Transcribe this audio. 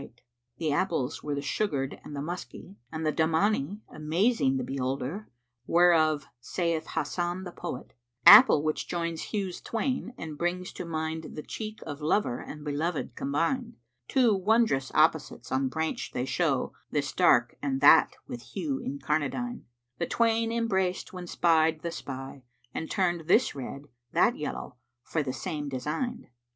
[FN#386] The apples were the sugared and the musky and the Dámáni, amazing the beholder, whereof saith Hassan the poet, "Apple which joins hues twain, and brings to mind * The cheek of lover and beloved combined: Two wondrous opposites on branch they show * This dark[FN#387] and that with hue incarnadined The twain embraced when spied the spy and turned * This red, that yellow for the shame designed."